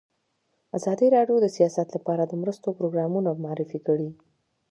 ازادي راډیو د سیاست لپاره د مرستو پروګرامونه معرفي کړي.